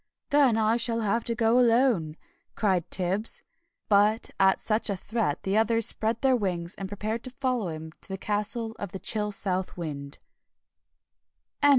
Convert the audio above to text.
"Then I shall have to go alone," cried Tibbs. But at such a threat the others spread their wings, and prepared to follow him to the Castle of the Chill South Wind.